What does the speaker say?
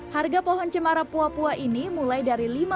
harga pohon cemara pua pua ini sangat tinggi